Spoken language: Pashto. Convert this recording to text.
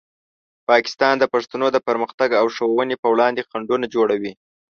پاکستان د پښتنو د پرمختګ او ښوونې په وړاندې خنډونه جوړوي.